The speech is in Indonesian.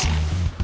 aku juga gak tahu